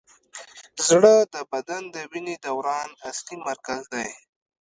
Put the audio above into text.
زړه د بدن د وینې دوران اصلي مرکز دی.